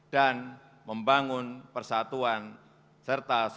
dan membangun persatuan negara